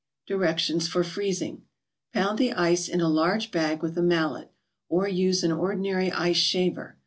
DIRECTIONS FOR FREEZING Pound the ice in a large bag with a mallet, or use an ordinary ice shaver.